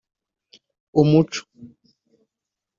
umuco